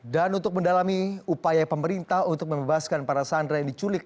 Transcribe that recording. dan untuk mendalami upaya pemerintah untuk membebaskan para sandera yang diculik